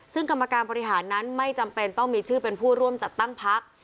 ซึ่งกรรมการบริหารนั้นไม่จำเป็นต้องมีชื่อเป็นผู้ร่วมจัดตั้งพัก